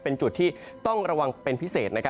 เป็นจุดที่ต้องระวังเป็นพิเศษ